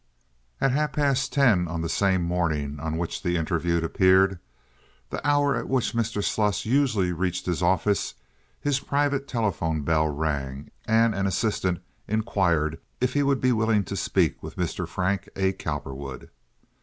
At half past ten on the same morning on which the interview appeared—the hour at which Mr. Sluss usually reached his office—his private telephone bell rang, and an assistant inquired if he would be willing to speak with Mr. Frank A. Cowperwood.